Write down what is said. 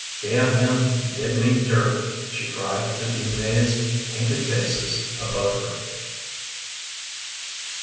" Damn him, he did me dirty! " she cried to the amazed, painted faces above her.